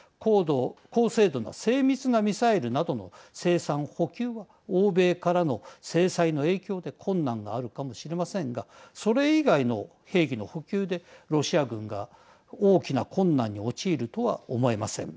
高精度な精密なミサイルなどの生産、補給は欧米からの制裁の影響で困難があるかもしれませんがそれ以外の兵器の補給でロシア軍が大きな困難に陥るとは思えません。